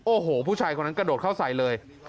โอ้โหผู้ชายคนนั้นกระโดดเข้าใส่เลย